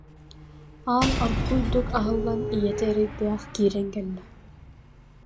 Аан оргууйдук аһыллан ийэтэ эрэйдээх киирэн кэллэ